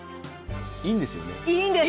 いいんですよね。